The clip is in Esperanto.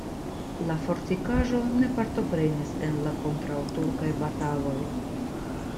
La fortikaĵo ne partoprenis en la kontraŭturkaj bataloj.